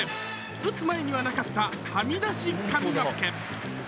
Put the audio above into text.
打つ前にはなかった、はみ出し髪の毛。